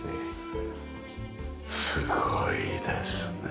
すごいですね。